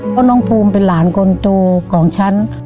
เพราะน้องภูมิเป็นหลานคนโตของฉัน